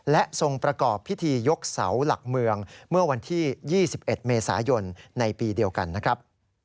และทรงประกอบพิธียกเสาหลักเมืองเมื่อวันที่๒๑เมษายนในปีเดียวกันนะครับ